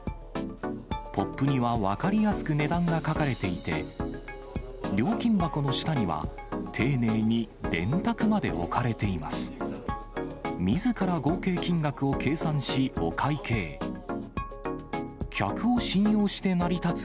ポップには分かりやすく値段が書かれていて、料金箱の下には、丁寧に電卓まで置かれています。